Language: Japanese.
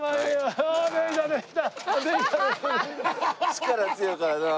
力強いからな。